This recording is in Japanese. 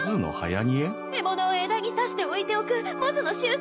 獲物を枝に刺しておいておくモズの習性よ。